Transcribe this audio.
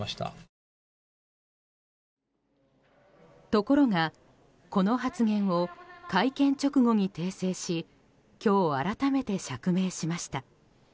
ところがこの発言を会見直後に訂正し今日、改めて釈明しました。